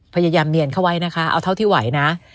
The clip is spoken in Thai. พยายามเนียนเข้าไว้นะคะเอาเท่าที่ไหวนะ